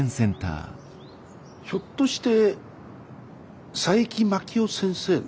ひょっとして佐伯真樹夫先生の？